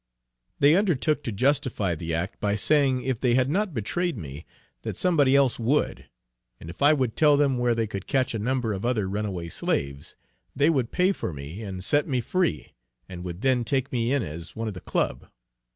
They undertook to justify the act by saying if they had not betrayed me, that somebody else would, and if I would tell them where they could catch a number of other runaway slaves, they would pay for me and set me free, and would then take me in as one of the Club.